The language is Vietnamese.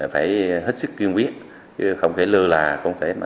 phải hết sức quyên quyết không thể lơ là không thể mà